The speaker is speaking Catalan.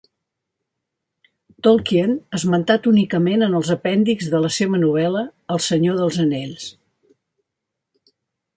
Tolkien, esmentat únicament en els apèndixs de la seva novel·la El Senyor dels Anells.